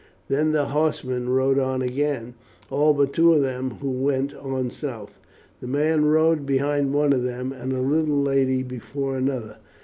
Then the horsemen rode on again, all but two of them, who went on south. The man rode behind one of them, and the little lady before another.